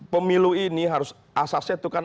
pemilu ini harus asasnya